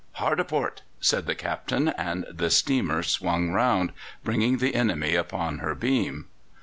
"Hard a port," said the captain, and the steamer swung round, bringing the enemy upon her beam.